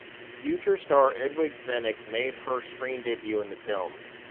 Future star Edwige Fenech made her screen debut in the film.